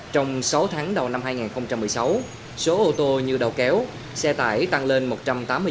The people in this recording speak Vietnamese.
trong sáu tháng đầu năm hai nghìn một mươi sáu số ô tô như đầu kéo xe tải tăng lên một năm triệu đồng